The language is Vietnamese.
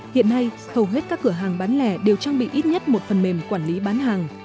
hiện nay hầu hết các cửa hàng bán lẻ đều trang bị ít nhất một phần mềm quản lý bán hàng